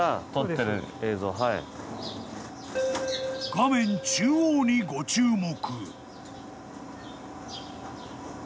［画面中央にご注目］